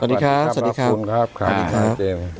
สวัสดีครับสวัสดีครับคุณครับสวัสดีครับเจมส์